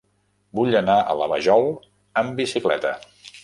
Vull anar a la Vajol amb bicicleta.